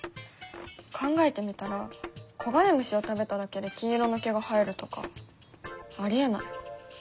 考えてみたら黄金虫を食べただけで金色の毛が生えるとかありえない。